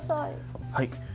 はい。